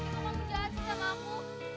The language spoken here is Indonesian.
kendi kamu jahat sekali sama aku